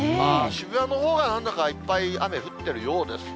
渋谷のほうが、なんだかいっぱい、雨降ってるようですね。